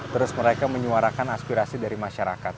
terus mereka menyuarakan aspirasi dari masyarakat